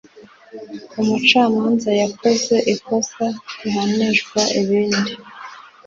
umucamanza wakoze ikosa rihanishwa ibindi